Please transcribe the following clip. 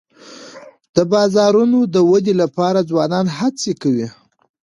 د بازارونو د ودي لپاره ځوانان هڅې کوي.